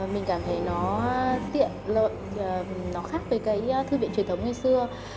mình cảm thấy nó tiện lợi nó khác với cái thư viện truyền thống ngày xưa